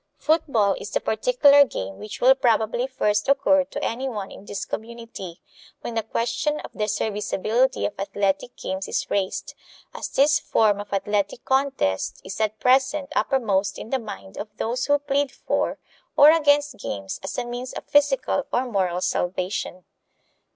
Football is the particular game which will probably first occur to any one in this community when the question of the serviceability of athletic games is raised, as this form of athletic contest is at present uppermost in the mind of those who plead for or against games as a means of physical or moral salvation.